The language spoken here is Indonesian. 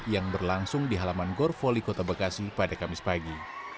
yang berlangsung di halaman gorfoli kota bekasi pada kamis pagi